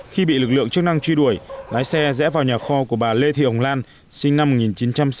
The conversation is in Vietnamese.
khi bị lực lượng chức năng truy đuổi lái xe rẽ vào nhà kho của bà lê thị hồng lan sinh năm một nghìn chín trăm sáu mươi